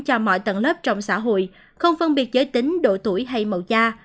cho mọi tầng lớp trong xã hội không phân biệt giới tính độ tuổi hay màu da